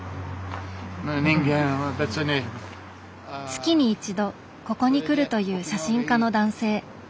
月に１度ここに来るという写真家の男性。